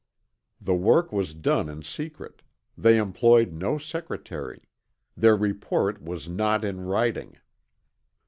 The work was done in secret; they employed no secretary; their report was not in writing.